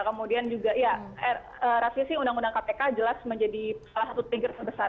kemudian juga ya revisi undang undang kpk jelas menjadi salah satu trigger terbesar